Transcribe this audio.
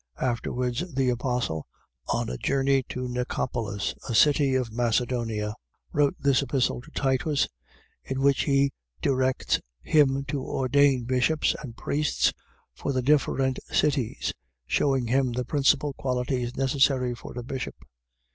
Afterwards the Apostle, on a journey to Nicopolis, a city of Macedonia, wrote this Epistle to Titus, in which he directs him to ordain bishops and priests for the different cities, shewing him the principal qualities necessary for a bishop.